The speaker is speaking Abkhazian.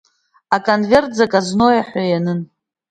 Аконверт Заказное ҳәа ианын.